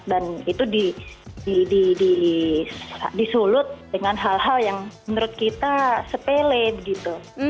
dan itu disulut dengan hal hal yang menurut kita sepele gitu